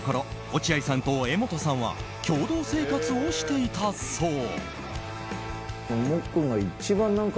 落合さんと柄本さんは共同生活をしていたそう。